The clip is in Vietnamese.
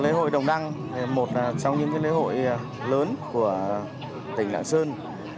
lễ hội đồng đăng một trong những lễ hội lớn của tỉnh lạng sơn